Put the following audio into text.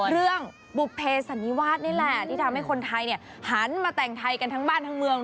บุภเพสันนิวาสนี่แหละที่ทำให้คนไทยหันมาแต่งไทยกันทั้งบ้านทั้งเมือง